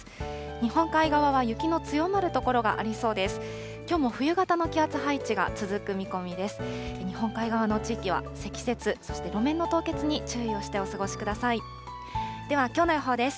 日本海側は雪の強まる所がありそうです。